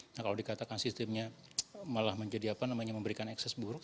nah kalau dikatakan sistemnya malah menjadi apa namanya memberikan ekses buruk